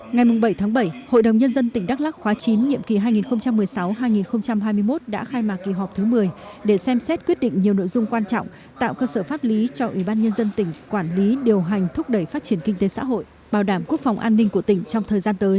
ngày bảy bảy hội đồng nhân dân tỉnh đắk lắc khóa chín nhiệm kỳ hai nghìn một mươi sáu hai nghìn hai mươi một đã khai mạc kỳ họp thứ một mươi để xem xét quyết định nhiều nội dung quan trọng tạo cơ sở pháp lý cho ủy ban nhân dân tỉnh quản lý điều hành thúc đẩy phát triển kinh tế xã hội bảo đảm quốc phòng an ninh của tỉnh trong thời gian tới